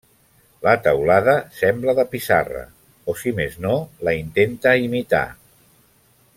La teulada sembla de pissarra, o si més no la intenta imitar.